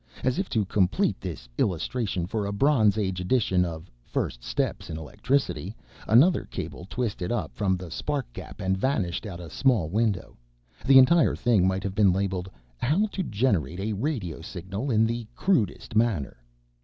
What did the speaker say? As if to complete this illustration for a bronze age edition of "First Steps in Electricity" another cable twisted up from the spark gap and vanished out a small window. The entire thing might have been labeled "How to Generate A Radio Signal in the Crudest Manner."